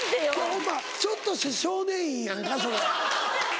ホンマちょっとした少年院やんかそれ。